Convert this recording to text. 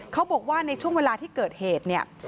เขาบอกว่าในช่วงเวลาที่เกิดเหตุเนี่ย